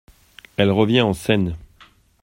Elle revient en scène.